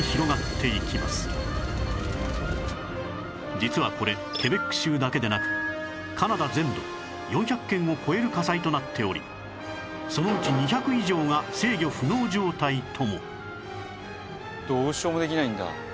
実はこれケベック州だけでなくカナダ全土４００件を超える火災となっておりそのうち２００以上が制御不能状態とも